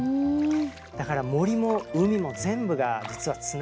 だから森も海も全部が実はつながってるんですね。